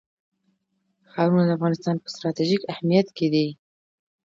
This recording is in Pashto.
ښارونه د افغانستان په ستراتیژیک اهمیت کې دي.